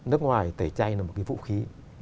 nước ngoài tẩy chay là một cái vũ khí